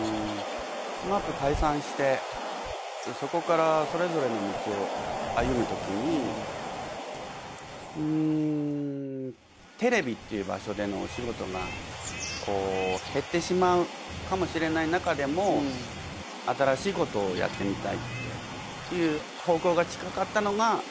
ＳＭＡＰ解散してそこからそれぞれの道を歩むときにテレビっていう場所でのお仕事が減ってしまうかもしれない中でも新しいことをやってみたいっていう方向が近かったのが３人で。